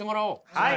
はい。